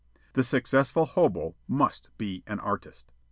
The successful hobo must be an artist.